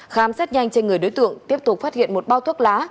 khám xét nhanh trên người đối tượng tiếp tục phát hiện một bao thuốc lá